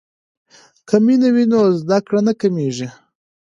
که مینه وي نو زده کړه نه کمیږي.